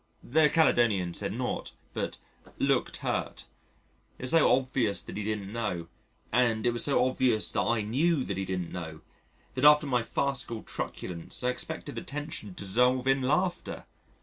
The Caledonian said nought but "looked hurt." It was so obvious that he didn't know, and it was so obvious that I knew that he didn't know, that after my farcical truculence I expected the tension to dissolve in laughter.